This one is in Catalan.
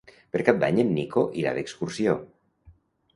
Per Cap d'Any en Nico irà d'excursió.